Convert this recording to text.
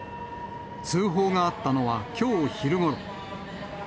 通報があったのは、きょう昼ごろ。